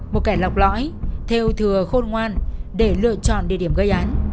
một kẻ lọc lõi theo thừa khôn ngoan để lựa chọn địa điểm gây án